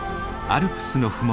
アルプスの麓